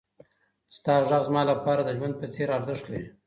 ستا غږ زما لپاره د ژوند په څېر ارزښت لري.